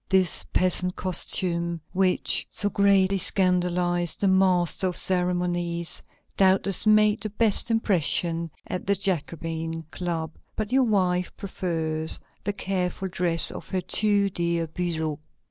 This peasant costume, which so greatly scandalized the master of ceremonies, doubtless made the best impression at the Jacobin Club, but your wife prefers the careful dress of her too dear Buzot.